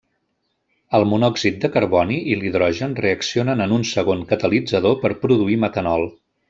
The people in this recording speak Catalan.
El monòxid de carboni i l'hidrogen reaccionen en un segon catalitzador per produir metanol.